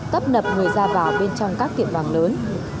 tấp nập người ra vào bên trong các tiệm vàng lớn